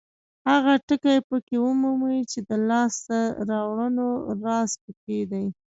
هغه ټکي پکې ومومئ چې د لاسته راوړنو راز پکې دی.